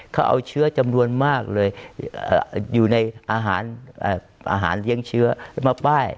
เขาเอาเชื้อจำนวนมากเลยอยู่ในอาหารเลี้ยงเชื้อมาป้าย